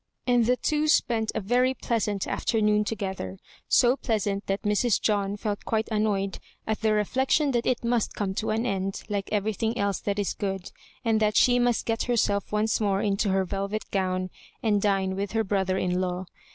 And the two spent a very pleasant afternoon together, — so pleasant that Mrs. John felt quite annoyed at the reflection that it must come to an end like everything else that is good, and that she must get herself once more into her velvet gown and dine Dfith her brother hi law.